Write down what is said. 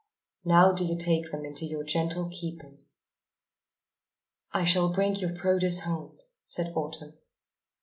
"Now do you take them into your gentle keeping." "I shall bring your produce home," said Autumn.